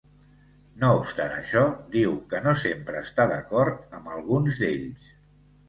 No obstant això, diu que no sempre està d’acord amb alguns d’ells.